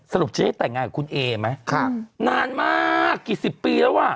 สรุปจะให้แต่งงานกับคุณเอมั้ยนานมากกี่สิบปีแล้วว่ะ